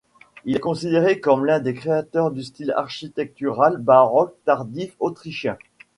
Il est considéré comme l'un des créateurs du style architectural baroque tardif autrichien.